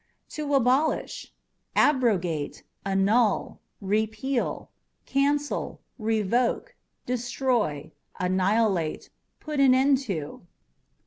To Abolish â€" abrogate, annul, repeal, cancel, revoke, destroy annihilate, put an end to.